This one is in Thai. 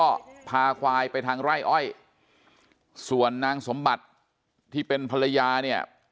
ก็พาควายไปทางไร่อ้อยส่วนนางสมบัติที่เป็นภรรยาเนี่ย